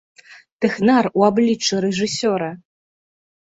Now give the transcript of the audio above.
Тэхнар у абліччы рэжысёра!